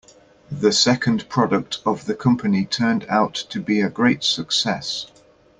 The second product of the company turned out to be a great success.